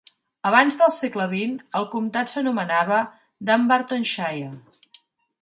Abans del segle XX, el comtat s'anomenava Dumbartonshire.